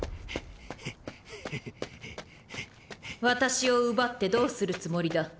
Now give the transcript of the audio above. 私を奪ってどうするつもりだ？